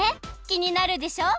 きになるでしょう！